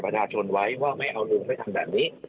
ถ้าชนไว้ว่าไม่เอาลุงให้ทำแบบนี้